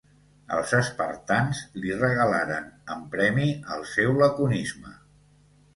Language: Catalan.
els espartans li regalaren en premi al seu laconisme